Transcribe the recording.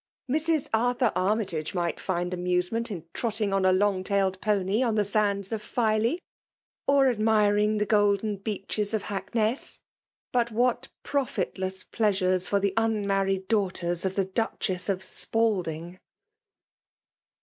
Mrs. Arthur Armytage might find amusement in trotting on a long ta^ed pony on the sands of Filey, or admiriikg 4he golden beeches of Hackness; — ^but what profitless pleasures for the unmarried daughters . of a Duchess of Spalding